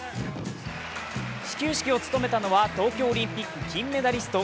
始球式を務めたのは東京オリンピック金メダリスト